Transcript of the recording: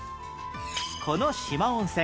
この四万温泉